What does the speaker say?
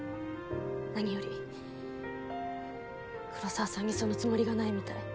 何より黒澤さんにそのつもりがないみたい。